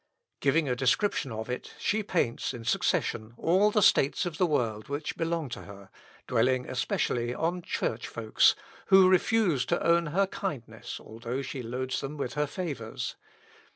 Giving a description of it, she paints, in succession, all the states of the world which belong to her, dwelling, especially, on church folks, who refuse to own her kindness, although she loads them with her favours.